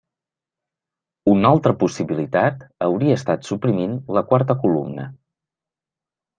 Una altra possibilitat hauria estat suprimint la quarta columna.